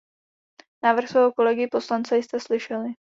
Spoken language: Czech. Návrh svého kolegy poslance jste slyšeli.